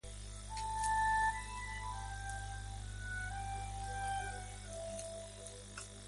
Fue llevada por las tropas que regresaban de las campañas del Cercano Oriente.